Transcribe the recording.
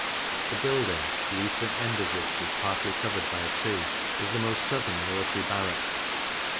The building, the eastern end of which is partly covered by a tree, is the most southern Military Barrack.